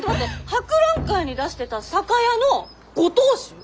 博覧会に出してた酒屋のご当主？